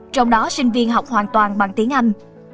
trong đó sinh viên học hoàn toàn bằng tiếng anh